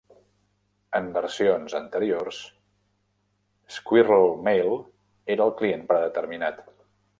En versions anteriors, SquirrelMail era el client predeterminat.